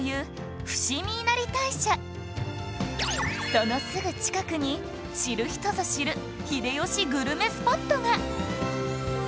そのすぐ近くに知る人ぞ知る秀吉グルメスポットが